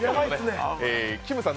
きむさん